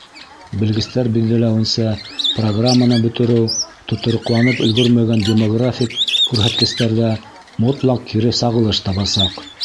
Белгестәр билдәләүенсә, программаны бөтөрөү тотороҡланып өлгөрмәгән демографик күрһәткестәрҙә мотлаҡ кире сағылыш табасаҡ.